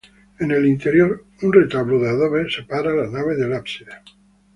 En el interior, un retablo de adobe separa la nave del ábside.